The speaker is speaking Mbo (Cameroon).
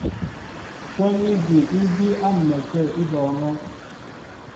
Kwɛ́n igi í bííy á m̀mɛtə̂ í bɔɔŋɛ́.